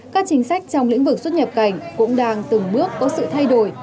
các chính sách trong lĩnh vực xuất nhập cảnh cũng đang từng bước có sự thay đổi